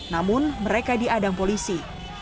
namun mereka diadang polisi